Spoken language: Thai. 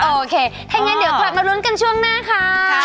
โอเคถ้าอย่างนั้นเดี๋ยวกลับมารุ้นกันช่วงหน้าค่ะ